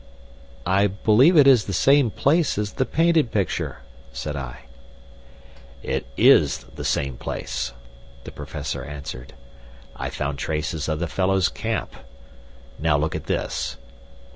"I believe it is the same place as the painted picture," said I. "It is the same place," the Professor answered. "I found traces of the fellow's camp. Now look at this."